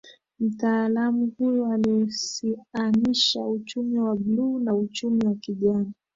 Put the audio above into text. Mtaalamu huyo alihusianisha uchumi wa bluu na uchumi wa kijani